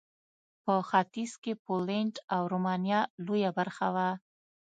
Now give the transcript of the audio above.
په ختیځ کې د پولنډ او رومانیا لویه برخه وه.